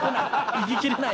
いききれない。